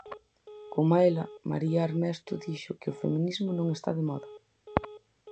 Coma ela, María Armesto dixo que "o feminismo non está de moda".